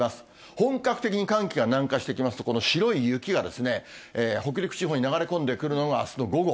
本格的に寒気が南下してきますと、この白い雪が、北陸地方に流れ込んでくるのがあすの午後。